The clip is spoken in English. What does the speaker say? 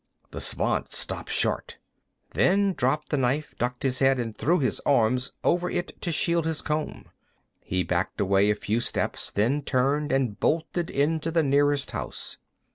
The Svant stopped short, then dropped the knife, ducked his head, and threw his arms over it to shield his comb. He backed away a few steps, then turned and bolted into the nearest house.